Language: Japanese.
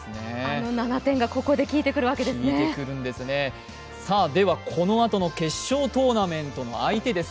あの７点がここで効いてくるんですねではこのあとの決勝トーナメントの相手です。